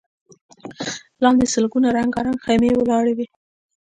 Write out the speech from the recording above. لاندې سلګونه رنګارنګ خيمې ولاړې وې.